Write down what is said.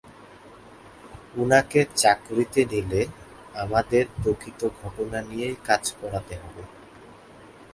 উনাকে চাকরিতে নিলে আমাদের প্রকৃত ঘটনা নিয়েই কাজ করাতে হবে।